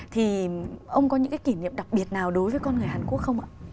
thì ông có những cái kỷ niệm đặc biệt nào đối với con người hàn quốc không ạ